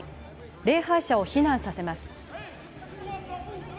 礼拝者を避難させます。